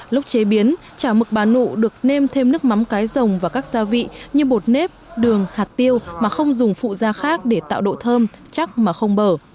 lúc chế biến chả mực bà nụ được nêm thêm nước mắm cái rồng và các gia vị như bột nếp đường hạt tiêu mà không dùng phụ da khác để tạo độ thơm chắc mà không bở